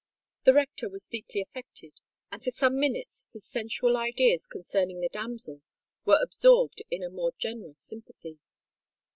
The rector was deeply affected; and for some minutes his sensual ideas concerning the damsel were absorbed in a more generous sympathy.